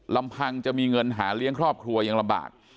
ลำพังจะมีเงินหาเลี้ยงครอบครัวยังลำบาก